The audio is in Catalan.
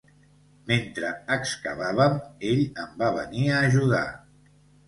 Mentre excavàvem, ell em va venir a ajudar.